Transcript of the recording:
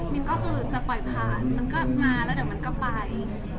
ก็คือจะปล่อยผ่านมันก็มาแล้วเดี๋ยวมันก็ไป